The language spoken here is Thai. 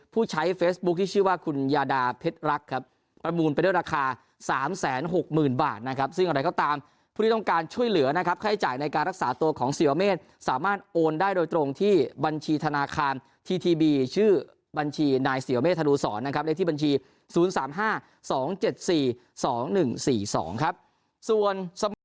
ผู้ที่ต้องการช่วยเหลือนะครับค่าใช้จ่ายในการรักษาตัวของเสียเมธสามารถโอนได้โดยตรงที่บัญชีธนาคารทีทีบีชื่อบัญชีนายเสียเมธนูสอนนะครับได้ที่บัญชี๐๓๕๒๗๔๒๑๔๒ครับส่วน